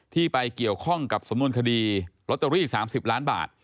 ไปเกี่ยวข้องกับสำนวนคดีลอตเตอรี่๓๐ล้านบาท